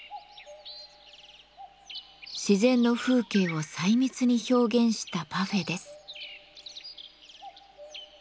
自然の風景を細密に表現したパフェです。